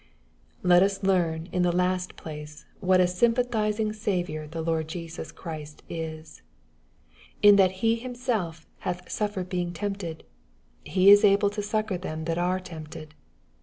Let us learn in the last place, what a sympathiimg Saviour the Lord Jesus Christ is. " In that he himself hath suffered being tempted, he is able to succor them that are tempted."